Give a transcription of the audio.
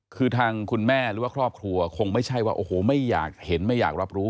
คือทางคุณแม่หรือว่าครอบครัวคงไม่ใช่ว่าโอ้โหไม่อยากเห็นไม่อยากรับรู้